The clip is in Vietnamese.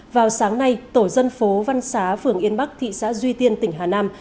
vào sáng nay tổ dân phố văn xá phường yên bắc thị xã duy tiên tỉnh hà nam